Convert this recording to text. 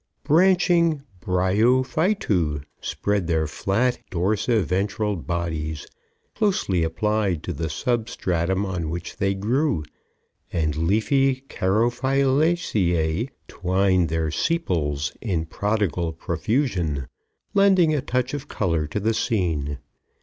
Branching bryophytu spread their flat, dorsi ventral bodies, closely applied to the sub stratum on which they grew, and leafy carophyllaceæ twined their sepals in prodigal profusion, lending a touch of color to the scene.